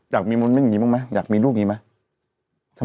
อยากมีโมเมนต์อย่างนี้บ้างไหมอยากมีลูกอย่างนี้ไหม